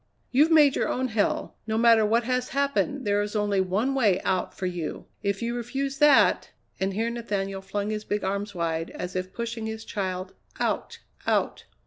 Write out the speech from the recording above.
"You've made your own hell! No matter what has happened, there is only one way out for you. If you refuse that " And here Nathaniel flung his big arms wide, as if pushing his child out out!